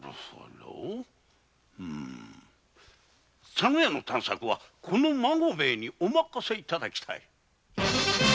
佐野屋の探索はこの孫兵衛にお任せいただきたい。